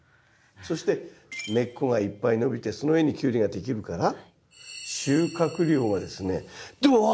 そして根っこがいっぱい伸びてその上にキュウリができるから収穫量がですねどわ